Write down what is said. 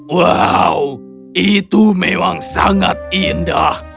wow itu memang sangat indah